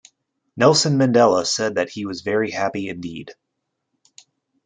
Nelson Mandela said that he was "very happy indeed".